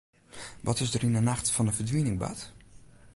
Wat is der yn 'e nacht fan de ferdwining bard?